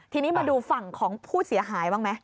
ทีนี้มาดูฝั่งของผู้เสียหายบ้างไหม